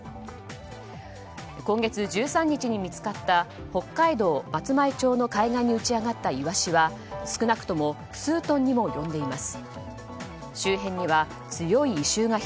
今月１３日に見つかった北海道松前町の海岸に打ち揚がったイワシは少なくとも数トンにも及んでいます。